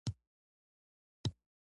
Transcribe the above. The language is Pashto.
بهتر شرایط نه سو پیدا کولای.